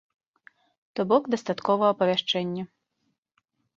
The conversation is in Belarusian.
То бок дастаткова апавяшчэння.